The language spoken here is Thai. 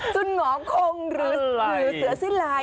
จนง้อคงหรือเสือสิลาย